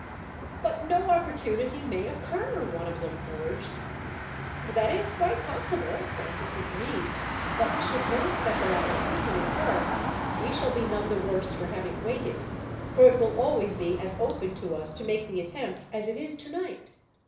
"But no opportunity may occur," one of them urged. "That is quite possible," Francis agreed; "but should no special opportunity occur, we shall be none the worse for having waited, for it will always be as open to us to make the attempt as it is tonight.